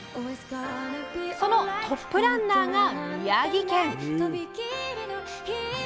そのトップランナーが宮城県！